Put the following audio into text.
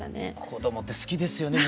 子供って好きですよね